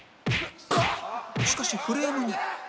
しかしフレームに